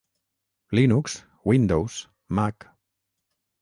Linux, Windows, Mac.